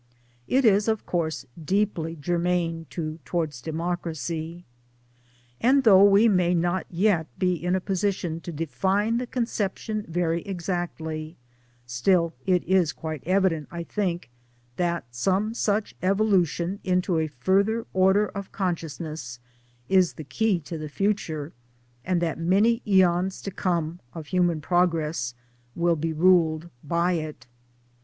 It is of course deeply germane to Towards Democracy. And though we may not yet be in a position to define the concep tion very exactly, still it is quite evident, I think, that some such evolution into a further order of conscious ness is the key to the future, and that many aeons to come (of human progress) will be ruled by it.